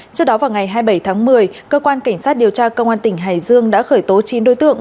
trước đó vào ngày hai mươi bảy tháng một mươi cơ quan cảnh sát điều tra công an tỉnh hải dương đã khởi tố chín đối tượng